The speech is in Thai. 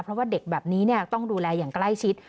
เพราะว่าเด็กแบบนี้ต้องดูแลอย่างใกล้ชิด